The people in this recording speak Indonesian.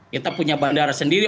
kita punya bandara sendiri